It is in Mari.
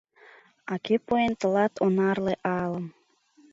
А кӧ пуэн тылат онарле алым?